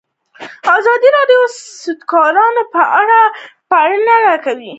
ازادي راډیو د سوداګري په اړه پرله پسې خبرونه خپاره کړي.